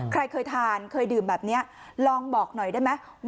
ใครเคยทานเคยดื่มแบบนี้ลองบอกหน่อยได้ไหม